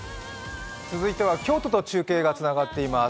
続いては京都と中継がつながっています。